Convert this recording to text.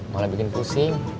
malah bikin pusing